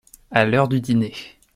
À l’heure du dîner.